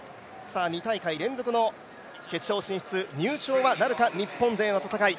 ２大会連続の決勝進出入賞はなるか、日本勢の戦い。